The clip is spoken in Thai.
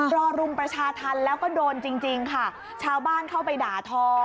รุมประชาธรรมแล้วก็โดนจริงจริงค่ะชาวบ้านเข้าไปด่าทอ